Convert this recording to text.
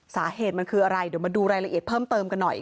สาเหตุมันคืออะไรเดี๋ยวมาดูรายละเอียดเพิ่มเติมกันหน่อย